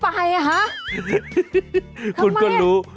ทำไมน่ะคุณก็รู้